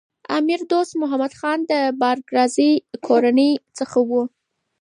امیر دوست محمد خان د بارکزايي کورنۍ څخه و.